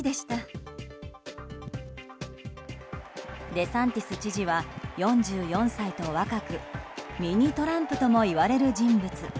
デサンティス知事は４４歳と若くミニトランプともいわれる人物。